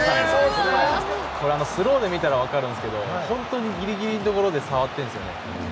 スローで見たら分かるんですけど本当にギリギリのところで触ってるんですよね。